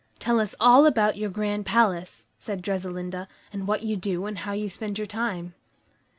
"Tell us all about your grand palace," said Dressalinda, "and what you do, and how you spend your time."